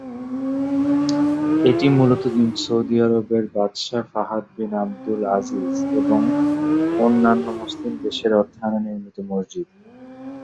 এটি মূলত সৌদি আরবের বাদশাহ ফাহাদ বিন আবদুল আজিজ এবং অন্যন্য মুসলিম দেশের অর্থায়নে নির্মিত মসজিদ।